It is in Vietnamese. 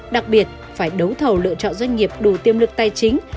đặc biệt phải đấu thầu lựa chọn doanh nghiệp đủ tiêm lực tài chính